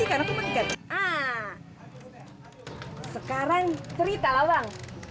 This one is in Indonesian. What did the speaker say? eh butret ya abang kusut kali bang